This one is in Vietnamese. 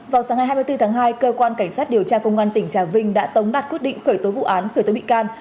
vào sáng ngày hai mươi bốn tháng hai cơ quan cảnh sát điều tra công an tỉnh tràng vinh đã tống đặt quyết định khởi tối vụ án khởi tối bị can